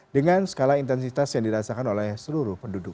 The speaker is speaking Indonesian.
dengan skala intensitas yang dirasakan oleh seluruh penduduk